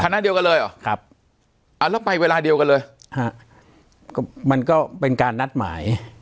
ณเดียวกันเลยเหรอครับเอาแล้วไปเวลาเดียวกันเลยฮะก็มันก็เป็นการนัดหมาย